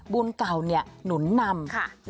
บุญเก่าหนุนนำ